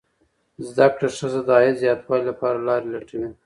زده کړه ښځه د عاید زیاتوالي لپاره لارې لټوي.